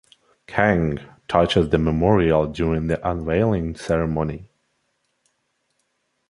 Kang touched the Memorial during the unveiling ceremony.